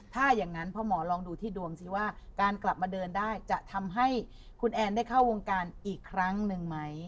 ถ้าอย่างนั้นพ่อหมอลองดูที่ดวงสิว่าการกลับมาเดินได้จะทำให้คุณแอนได้เข้าวงการอีกครั้งหนึ่งไหม